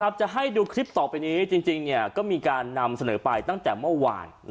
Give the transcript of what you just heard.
จะให้ดูคลิปต่อไปนี้จริงก็มีการนำเสนอไปตั้งแต่เมื่อวาน